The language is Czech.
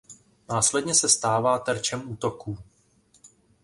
Následně se stává terčem útoků.